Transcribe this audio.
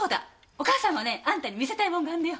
お母さんもねあんたに見せたい物があんのよ。